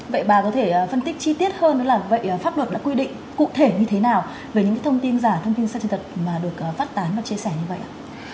vậy bà có thể phân tích chi tiết hơn nữa là vậy pháp luật đã quy định cụ thể như thế nào về những thông tin giả thông tin sai sự thật mà được phát tán và chia sẻ như vậy ạ